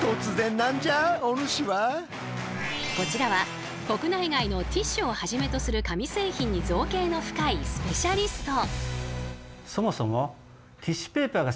こちらは国内外のティッシュをはじめとする紙製品に造詣の深いスペシャリスト。